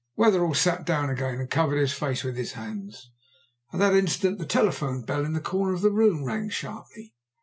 Wetherell sat down again and covered his face with his hands. At that instant the telephone bell in the corner of the room rang sharply.